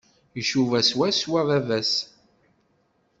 Icuba swaswa baba-s.